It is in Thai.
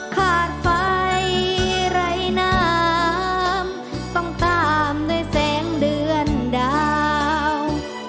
ขาดไฟไร้น้ำต้องตามด้วยแสงเดือนดาว